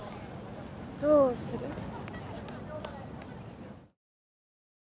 どうする？